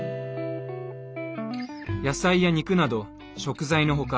野菜や肉などの食材の他